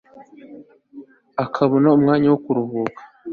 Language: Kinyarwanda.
akabona umwanya wo kuruhuka